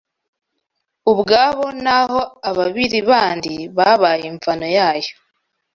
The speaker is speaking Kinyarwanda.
ubwabo naho ababiri bandi babaye imvano yayo